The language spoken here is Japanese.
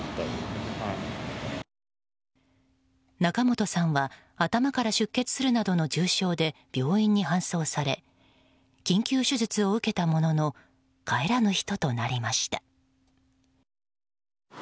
仲本さんは頭から出血するなどの重傷で病院に搬送され緊急手術を受けたものの帰らぬ人となりました。